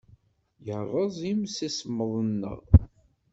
Yerreẓ yimsismeḍ-nneɣ.